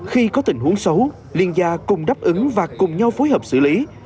khi có tình huống xấu liên gia cùng đáp ứng và cùng nhau phối hợp xử lý